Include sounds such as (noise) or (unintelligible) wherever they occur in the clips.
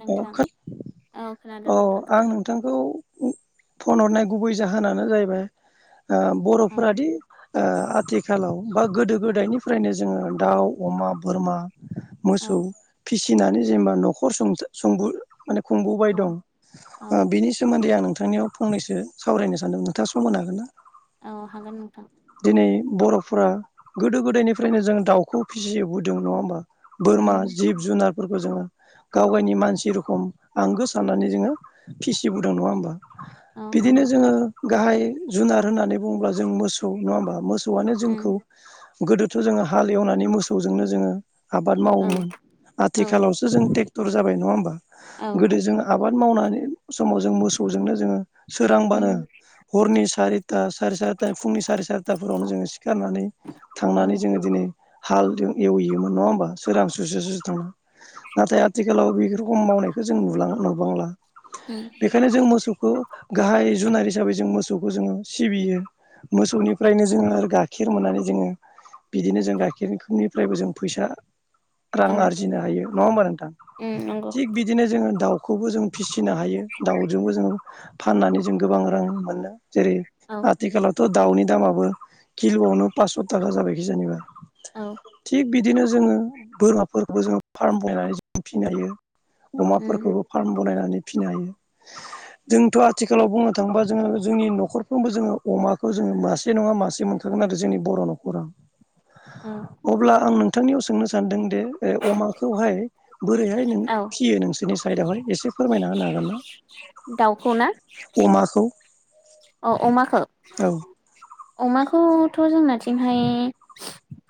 नोंथां अखा औ खोनादों औ नोंथां आं खोनादों नोंथांखौ फन हरनाय गुबै जाहोनानो जाहैबाय औ बर'फोरादि ओ आथिखालाव बा गोदो गोदायनिफ्रायनो जोङो दाउ, अमा, बोरमा औ मोसौ फिसिनानै जेनेबा न'खर सं-सुंबु माने खुंबोबाय औ दं औ बिनि सोमोन्दै आं नों थांनियाव फंनैसो सावरायनो सानदोंमोन नोंथाङा सम होनो हागोन ना? औ हागोन नोंथां। नै बर'फोरा गोदो गोदायनिफ्रायनो जों दाउखौ फिसियो बोदों नङा होमबा? बोरमा उम जिब जुनारफोरखौ जोङो गाव गायनि मानसि रोखोम आंगो साननानै जोङो फिसिबोदों नङा होमबा? औ बिदिनो नंगौ जोङो गाहाय जुनार होननानै बुङोब्ला जों मोसौ नङा होमब? मोस मोसौआनो जोंखौ उम गोदोथ' जोङो हालेवनानै मोसौजोंनो जोङो आबाद औ मावोमोन औ आथिखालावसो जों टेक्टर जाबाय नङा होमबा औ गोदो जों आबाद‌ मावनानै समाव जों मोसौजोंनो जोङो सोरांबानो उम हरनि सारि था साराय साथानि फुंनि साराय सारिथाफोरावनो जोङो सिखारनानै औ थांनानै जोङो दिनै हालजों एवहैयोमोन नङा होमबा सोरां सुसे सुस थांना नाथाय‌ औ बे रखम मावनायखौ जों नुलां नुबांला उम बेखायनो जों मोसौखौ। गाहाय जुनार हिसाबै जों मोसौखौ जोङो सिबियो मोसौनिफ्रायनो जोङो गाखिर मोननानै जोङो बिदिनो जों गाखिर (unintelligible) निफ्रायबो जों फैसा। औ रां आरजिनो हायो नङा होमबा नोंथां उम नंगौ थिग बिदिनो जोङो। दाउखौबो जों फिसिनो हायो दाउजोंबो जों फाननानै जों गोबां रां मोनो। जेरै औ आथिखालावथ' दाउनि दामाबो किल'आवनो पास्स' थाखा जाबाय खिजानिबा। औ। बिदिनो जोङो बोरमाफोरखौबो जोङो फार्म बनायनानै जों फिनो हायो। उम अमाफोरखौबो फार्म बनायनानै फिनो हायो। जोंथ' आथिखालाव बुंनो थाङोबा जोङो जोंनि न'खरफ्रोमबो जोङो अमाखौ जोङो मासे नङा मासे मोन गोन आरो जोंनि बर' न'खराव औ अब्ला आं नोंथांनियाव सोंनो सानदों दे अमाखौहाय। बोरैहाय नों औ फियो नोंसोरनि साइदआवहाय एसे फोरमायना होनो हागोन ना। अमाखौ ना अमाखौ औ अमाखो। औ अमाखौथ' जोंनाथिंहाय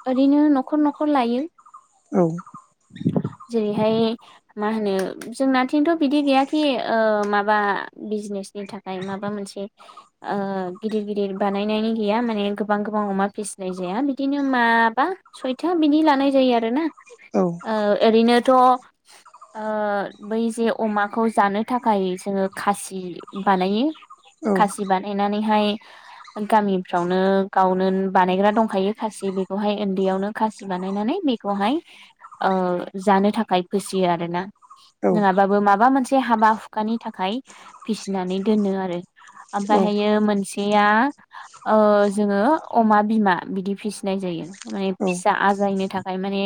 ओरैनो न'खर न'खर लायो। औ। (inaudible) जेरैहाय मा होनो जोंनाथिंथ' बिदि गैयाखि ओ माबा बिजनेस नि थाखाय माबा मोनसे ओ गिदिर गिदिर बानायनायनि गैया माने गोबां गोबां अमा फिसिनाय जाया बिदिनो माबा सयथा बिनि लानाय जायो आरोना औ ओ ओरैनो थ ओ बै जे अमाखौ जानो थाखाय जोङो खासि बानायो औ खासि बानायनानैहाय गामिफ्रावनो गावनोन बानायग्रा दंखायो खासि बेखौहाय ओन्दैयावनो खासि बानायनानै बेखौहाय ओ जानो थाखाय फोसियो आरोना नोङाबाबो माबा मोन से हाबा हुखानि थाखाय फिसिनानै दोनो आरो औ ओमफायहायो मोनसे या ओ जोङो अमा बिमा बिदि फिसिनाय जायो। माने औ फिसा आजायनो थाखाय माने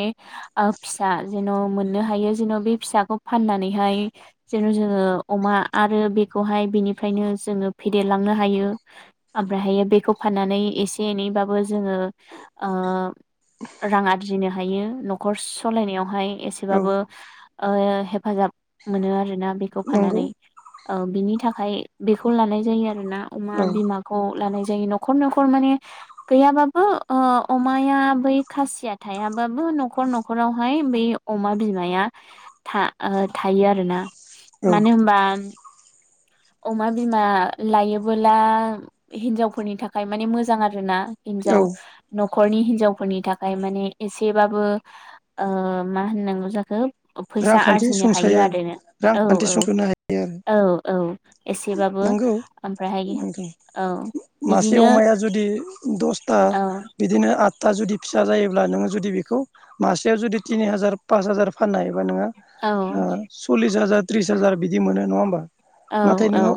ओ फिसा जेन' मोननो हायो जेन' बे फिसाखौ फाननानैहाय जेन' जोङो अमा आरो बेखौहाय बिनिफ्रायनो जोङो फेदेरलांनो हायो ओमफ्रायहायो बेखौ फाननानै एसे एनैबाबो जोङो ओ रां आरजिनो हायो न'खर सालायनायावहाय औ एसेबाबो ओ हेफाजाब मोनो आरो ना बेखौ नंगौ फाननानै ओ बिनि थाखाय बेखौ लानाय जायो आ रोना अमा औ बिमाखौ लानाय जायो न'खर न'खर माने गैयाबाबो ओ अमाया बै खासिया थायाबाबो न'खर न'खरावहाय बै अमा बिमाया था ओ थायो आरोना। औ मानो होमबा अमा बिमा लायोबोला हिनजावफोरनि थाखाय माने मोजां आ रोना औ हिनजाव नखरनि हिनजावफोरनि थाखाय माने एसेबाबो ओ मा होननांगौ जाखो फैसा रांखान्थि आरजिनो हायो सुंसायो आरो नो औ रांखान्थि सुंस'नो हायो आरो औ औ औ एसेबाबो नंगौ ओमफ्रायहाय नोंथां औ मासे बिदिनो अमाया जुदि दसटा औ बिदिनो आद था जुदि फिसा जायोब्ला नोङो जुदि बेखौ मासेयाव जुदि तिनि हाजार पास हाजार फाननो हायोबा नोङो औ ओ सल्लिस हाजार त्रिस हाजार बिदि मोनो नङा होमबा। औ नाथाय औ नोङो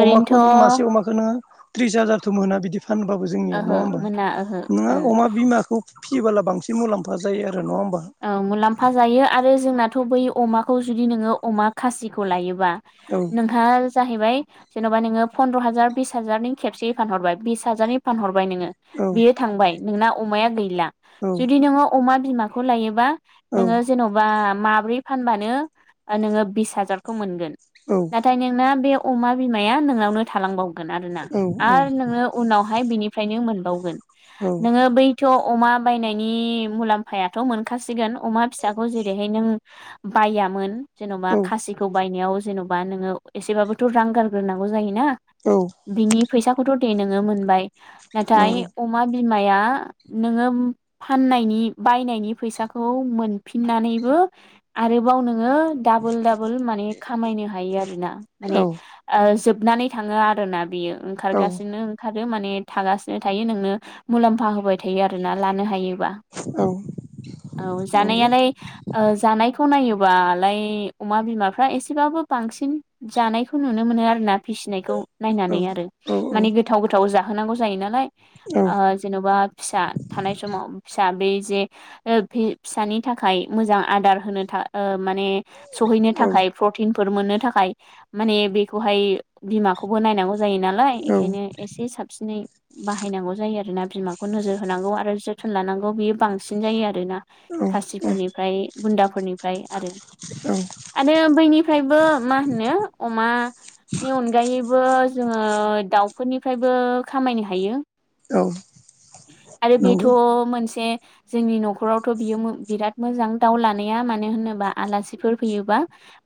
ओरैनोथ' नों मासे अमाखौ नोङो थ्रिस हाजारथ मोना बिदि फानबाबो जोंनियाव नङा ओहो होमबा मोना ओहो नोंङा उम अमा बिमाखौ फियोबोला बांसिन मुलाम्फा जायो। आरो नङा होमबा औ मुलाम्फा जायो आरो जोंनाथ' बै अमाखौ जुदि नोङो अमा खासिखौ लायो बा औ नोंथाङा जाहैबाय जेन'बा नोङो फन्द्र' हाजार बिस हाजारनि खेबसेयै फानहरबाय बिस हाजारनि फानहर बाय नोङो औ बेयो थांबाय नोंना अमाया गैला जुदि औ नोङो अमा बिमाखौ लायोबा औ नोङो जेन'बा माब्रै फानबानो नोङो बिस हाजारखौ मोनगोन। औ नाथाय नोंना बे अमा बिमाया नोंनावनो थालांबावगोन। (unintelligible) ना आरो नोङो उनावहाय बेनिफ्रायनो मोनबावगोन औ नोङो बै थ' अमा बायनायनि मुलाम्फायाथ' मोनखासिगोन अमा फिसाखौ जेरैहाय नों बायामोन जेन'बा औ खासिखौ बायनायाव जेन'बा नोङो एसेबाबोथ' रां गारग्रोनांगौ जायोना औ बिनि फैसाखौथ' नोङो मोनबाय नाथाय नंगौ अमा बिमाया नोङो फाननायनि बायनायनि फैसाखौ मोनफिननानैबो आरोबाव नों नोङो दाबल- दाबल माने खामनो होयो आरोना माने औ ओ जोब जोबनानै थाङो आरोना बेयो औ ओंखारगासिनो ओंखार आरो माने थागासिनो थायो नोंनो मुलाम्फा होबाय थायो आरोना लानो हायोबा। औ नंगौ जानायालाय ओ जानाय खौ नायोबालाय अमा बिमाफ्रा एसेबाबो बांसिन जानायखौ नुनो मोनो आरोना। फिसिनायखौ औ नायनानै आरो औ माने गोथाव-गोथाव जाहोनांगौ जायो नालाय। औ औ ओ जेनबा फिसा थानाय समाव फिसा बेै जे ओ बि फिसानि थाखाय मोजां आदार होनो थां ओ माने सहैनो औ थाखाय प्रटिन फोर मोननो थाखाय माने बेखौहाय बिमाखौबो नायनांगौ जायो नालाय बेखायनो एसे साबसिनै बाहायनांगौ जायो आरोना। बिमाखौ नोजोर होनांगौ, आरो जोथोन लानांगौ। बियो बांसिन जायो आरोना औ खासिफोरनिफ्राय बुन्दाफोरनिफ्राय आरो औ आरो बैनिफ्रायबो मा होनो अमानि अनगायैबो जोङो दाउफोरनिफ्रायबो खामायनो हायो। औ आरो बेथ' नंगौ मोनसे जोंनि न'खरावथ' बियो बिराद मोजां दाउ लानाया। मानो होनोबा आलासिफोर फैयोबा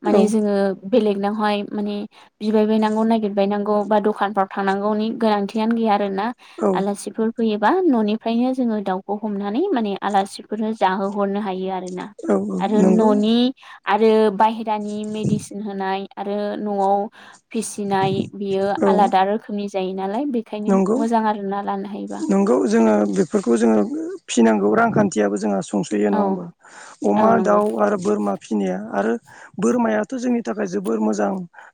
माने औ जोङो बेलेगनावहाय माने बिबाय बायनांगौ, नागिरबायनांगौ, बा दखानफ्राव थांनांगौनि गोनांथियानो गैया। आरोना औ आलासिफोर फैयोबा न'निफ्रायनो जोङो दाउखौ हमनानै माने आलासिफोरनो जाहोहरनो हायो आरोना। औ आरो नंगौ न'नि आरो बायहेरानि मेडिसिन होनाय आरो न'आव फिसिनाय। बियो औ आलादा रोखोमनि जायो नालाय बेखायनो नंगौ मोजां आरोना लानो हायोबा। नंगौ जोङो बेफोरखौ जोङो फिनांगौ रांखान्थियाबो जोंहा संस्रियो नङा औ होमबा। अमा, औ नंगौ दाउ आरो बोरमा फिसिनाया आरो बोरमायाथ' जोंनि थाखाय जोबोर मोजां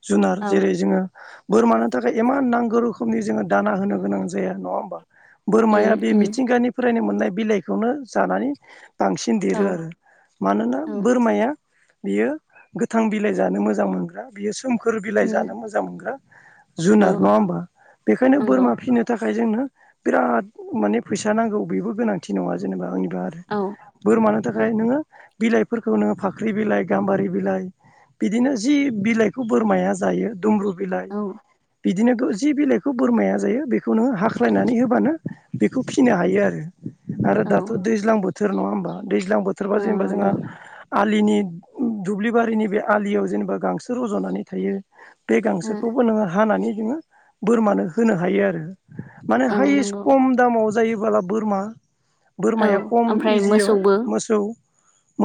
जुनार। औ जेरै जोङो बोरमानो थाखाय इमान नांगौ रोखोमनि जोङो दाना होनो गोनां जाया आरो नङा होमबा। बोरमाया उम बे उम मिथिंगानि फ्रायनो मोननाय बिलाइखौनो जानानै बांसिन औ देरो आरो। मानोना औ बोरमाया बियो गोथां बिलाइ जानो मोजां मोनग्रा। बियो सोमखोर बिलाइ उम जानो मोजां मोनग्रा। औ जुनार नङा होमबा। बेखायनो नंगौ बोरमा फिसिनो थाखाय थाखाय जोंनो बिराद माने फैसा नांगौ बेबो गोनांथि नङा जेनेबा आंनि आरो औ बोरमानो उम थाखाय नोङो बिलाइफोरखौ नोङो फाख्रि बिलाइ, गाम्बारि बिलाइ बिदिनो जि बिलाइखौ बोरमाया जायो दुमब्रु बिलाइ, औ बिदिनो जि बिलाइखौ बेखौ बोरमाया जायो बेखौ नोङो हाख्लायनानै होबानो बेखौ फिसिनो हायो आरो। आरो औ दाथ' दैज्लां बोथोर नङा होमबा दैज्लां बोथोरबा औ जेनेबा नंगौ जोंहाओ आलिनि दुब्लिबारिनि बे आलियाव जेनेबा गांसो रज'नानै थायो बे उम गांसोखौबो नोङो हानानै जोङो बोरमानो होनो हायो आरो। माने औ हायेस्ट नंगौ खम दामाव जायोबोला बोरमा औ बोरमाया खम ओमफ्राय इजियाव मोसौबो मोसौ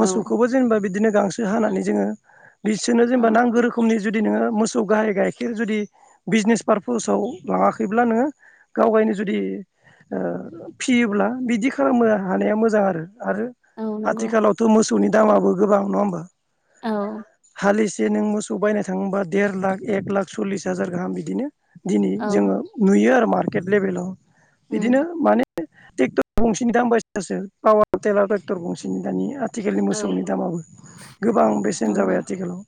औ जेनेबा बिदिनो गांसो हानानै जोङो बिसोरनो औ जेनेबा नांगौ रोखनि जुदि जुदि नोङो मोसौ गाहाय गाइखेर जुदि बिजनेस पारपासाव लाङाखैब्ला नोङो गाव गायनो जुदि फियोब्ला बिदि खालामनो हानाया मोजां आरो। आरो औ नंगौ आथिखालावथ' मोसौनि दामाबो गोबां नङा होमबा। औ हालिसे नों मोसौ बायनो थाङोबा देर लाख एक लाख सल्लिस हाजार गाहाम बिदिनो दिनै औ जोङो नुयो आरो मार्केट लेभेलाव। बिदिनो उम माने ट्रेक्टर गंसेनि दाम बायसिसो पावार टेलाव ट्रेक्टर गंसेनि दानि आथिखालनि औ मोसौनि दामाबो गोबां बेसेन जाबाय नंगौ आथिखालाव।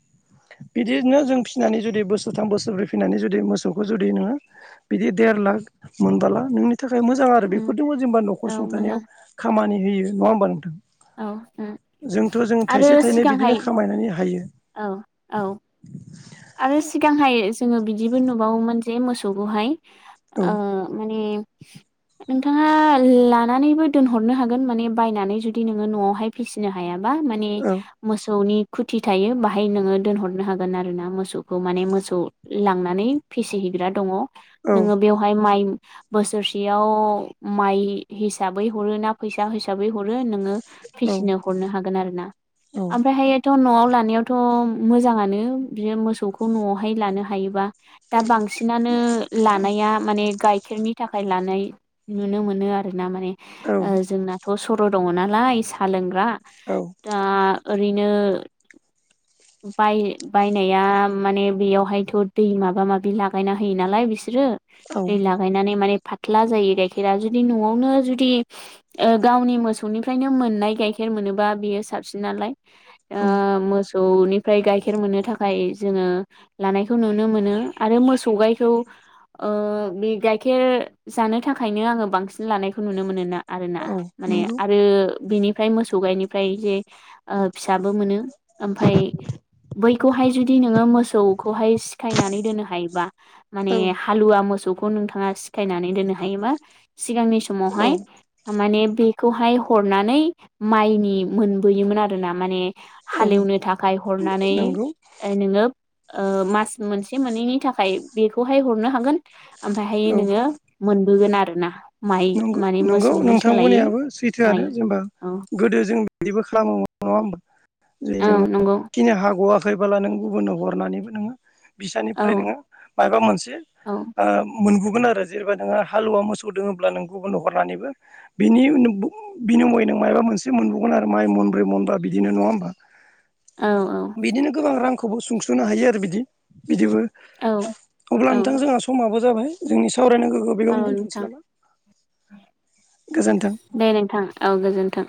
बिदिनो जों फिसिनानै जुदि बोसोरथाम बोसोरब्रै फिनानै जुदि मोसौखौ जुदि नोङो बिदि देर लाख मोनबोला नोंनि थाखाय मोजां। आरो उम बेफोरजों जेनेबा न'खर औ सुंथानायाव मोजां खामानि होयो नङा होमबा नोंथां? औ उम जोंथ' जों आरो थाइसे थाइनै सिगांहाय बिदिनो खामायनानै हायो औ औ आरो सिगांहाय जोङो बिदि बिदि नुबावोमोन जे मोसौखौहाय औ ओ माने (inaudible) नोंथाङा लानानैबो दोनहरनो हागोन। माने बायनानै जुदि नोङो न'आवहाय फिसिनो हाया। बा माने औ मोसौनि खुथि थायो। बेहाय‌ नोंङो दोनहरनो हागोन आरो नों मोस मोसौखौ माने। मोसौ लांनानै फिसिहैग्रा दङ। औ नोङो बेवहाय माइ बोसोरसेयाव माइ हिसाबै हरो ना फैसा हिसाबै हरो नोङो औ फिसिनो हरनो हागोन आरो ना। औ ओमफ्रायहाय थ' न'आव लानायावथ' मोजाङानो बि मोसौखौ न'आवहाय लानो हायोबा दा बांसिनानो लानाया माने गाय गाइखेरनि थाखाय लानाय नुनो मोनो आरोना माने औ ओ जोंनाथ' सर' दङ नालाय साहा लोंग्रा दा ओरैनो बाय बायनाया माने बेयावहायथ' दै माबा माबि लागायना होयो नालाय बिसोरो औ दै लागायनानै माने फाथ्ला जायो गाइखेरा जुदि न'आवनो जुदि ओ गावनि मोसौनिफ्रायनो मोननाय गाइखेर मोनोबा बियो साबसिन नालाय औ ओ मोसौनिफ्राय गाइखेर मोननो थाखाय जोङो लानायखौ नुनो मोनो आरो मोसौ गायखौ ओ बे गाइखेर जानो थाखायनो आङो बांसिन लानायखौ नुनो मोनो ना। आरोना औ माने नंगौ आरो बेनिफ्राय मोसौ गायनिफ्राय जे ओ फिसाबो मोनो। ओमफ्राय बैखौहाय जुदि नोङो मोसौखौहाय सिखायनानै दोननो हायोबा माने औ हालुवा मोसौखौ नोंथाङा सिखायनानै दोननो हायोबा सिगांनि औ समावहाय माने बेखौहाय हरनानै माइनि मोनबोयोमोन आरोना माने औ हालेवनो थाखाय हरनानै नंगौ नोङो ओ मास मोनसे मोननैनि थाखाय बेखौहाय हरनो हागोन। ओमफ्रायहाय औ नोङो मोनबोगोन आरोना। माइ नंगौ माने नंगौ मोसौनि नोंथां सोलायै बुंनायाबो माइ सैथोआनो जेनबा औ गोदो जों बिदिबो खालामोमोन नङा होमबा? जै औ जोङो नंगौ फिनो हाग'वाखैबोला नों गुबुननो हरनानैबो नोङो औ बिसानिफ्राय नोङो मायबा मोनसे औ ओ मोनबुगोन आरो जेनेबा नोङो हालुवा मोसौ दङोब्ला नों गुबुननो हरनानैबो बिनि बिनिमय नों मायबा मोनसे मोनबोगोन आरो माइ म मनब्रै मनबा बिदिनो नङा होमबा। औ बिदिनो गोबां रांखौबो सुंस'नो हायो आरो बिदि बिदिबो। औ अब्ला नोंथां औ जोंहा समाबो जाबाय जोंनि सावरायनांगोखौ औ बेयावनो दोनथोंसै नोंथां नामा? गोजोन्थों दे नोंथां औ गोजोनथों।